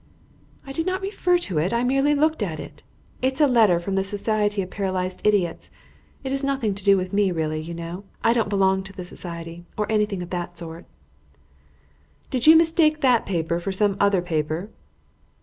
"I did not refer to it, I merely looked at it. It is a letter from the Society of Paralysed Idiots. It is nothing to do with me really, you know; I don't belong to the society, or anything of that sort." "Did you mistake that paper for some other paper?"